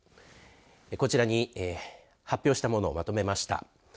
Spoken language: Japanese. こちらに発表したものをまとめました。